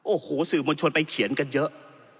โอ้โหสื่อมวลชนไปเขียนกันเยอะ